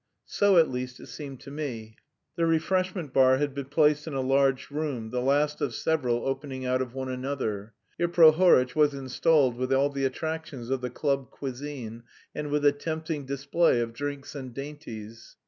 So at least it seemed to me. The refreshment bar had been placed in a large room, the last of several opening out of one another. Here Prohoritch was installed with all the attractions of the club cuisine and with a tempting display of drinks and dainties.